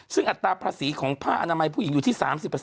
ซึ่งอัตราภาษีของผ้าอนามัยผู้หญิงอยู่ที่๓๐